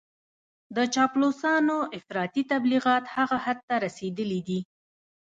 د چاپلوسانو افراطي تبليغات هغه حد ته رسېدلي دي.